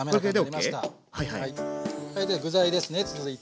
はいでは具材ですね続いて。